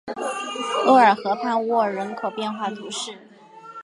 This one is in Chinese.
厄尔河畔沃人口变化图示